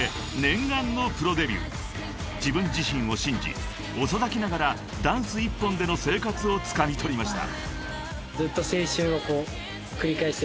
［自分自身を信じ遅咲きながらダンス一本での生活をつかみ取りました］